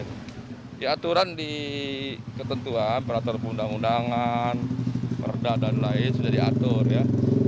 di aturan di ketentuan peratur undang undangan merda dan lain sudah diatur ya